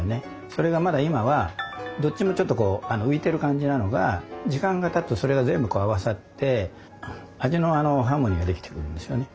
それがまだ今はどっちもちょっとこう浮いてる感じなのが時間がたつとそれが全部合わさって味のハーモニーができてくるんですよね。